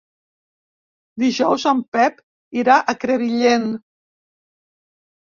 Dijous en Pep irà a Crevillent.